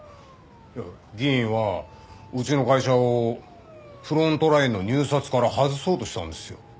議員はうちの会社をフロントラインの入札から外そうとしたんですよ。